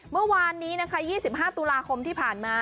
เมื่อวานนี้นะคะยี่สิบห้าตุลาคมที่ผ่านมา